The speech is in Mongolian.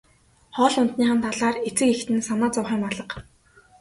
Хоол ундных нь талаар эцэг эхэд нь санаа зовох юм алга.